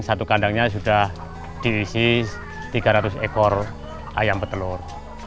satu kandangnya sudah diisi tiga ratus ekor ayam petelur